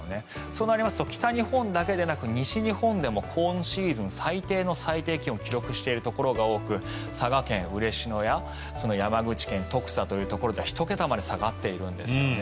そうなりますと北日本だけでなく西日本でも今シーズン最低気温を記録しているところが多く佐賀県嬉野や山口県徳佐では１桁まで下がっているんですね。